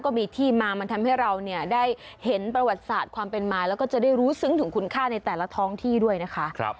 ก็มีที่มามันทำให้เราเนี่ยได้เห็นประวัติศาสตร์ความเป็นมาแล้วก็จะได้รู้ซึ้งถึงคุณค่าในแต่ละท้องที่ด้วยนะคะ